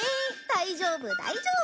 大丈夫大丈夫！